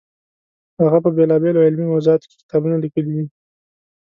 هغه په بېلابېلو علمي موضوعاتو کې کتابونه لیکلي دي.